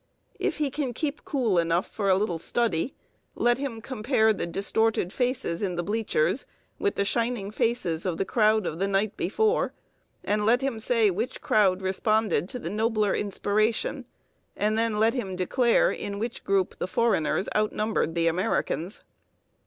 If he can keep cool enough for a little study, let him compare the distorted faces in the bleachers with the shining faces of the crowd of the night before; and let him say which crowd responded to the nobler inspiration, and then let him declare in which group the foreigners outnumbered the Americans.